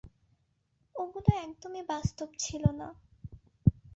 ওগুলো একদম-ই বাস্তব ছিল না।